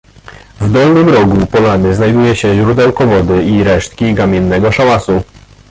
W dolnym rogu polany znajduje się źródełko wody i resztki kamiennego szałasu.